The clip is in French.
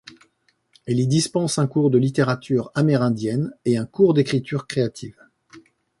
Elle y dispense un cours de littérature amérindienne et un cours d'écriture créative.